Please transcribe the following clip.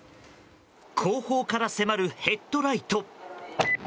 後方から迫るヘッドライト。